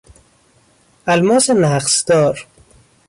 الماس نقصدار